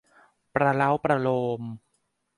ประเล้าประโลม